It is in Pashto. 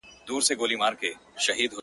o غوا ئې و غيه، چي غړکه ئې مرداره سي٫